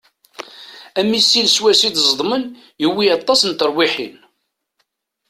Amisil swayes i d-ẓedmen yewwi aṭas n terwiḥin.